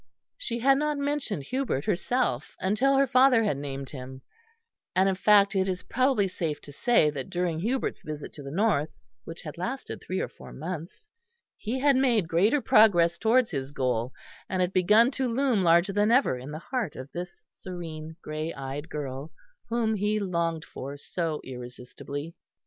She had not mentioned Hubert herself, until her father had named him; and in fact it is probably safe to say that during Hubert's visit to the north, which had lasted three or four months, he had made greater progress towards his goal, and had begun to loom larger than ever in the heart of this serene grey eyed girl, whom he longed for so irresistibly.